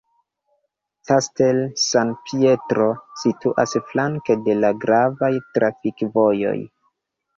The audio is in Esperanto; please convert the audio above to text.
Castel San Pietro situas flanke de la gravaj trafikvojoj.